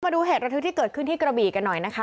มาดูเหตุระทึกที่เกิดขึ้นที่กระบีกันหน่อยนะคะ